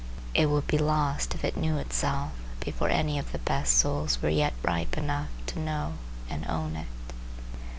It would be lost if it knew itself before any of the best souls were yet ripe enough to know and own it.